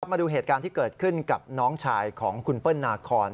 มาดูเหตุการณ์ที่เกิดขึ้นกับน้องชายของคุณเปิ้ลนาคอน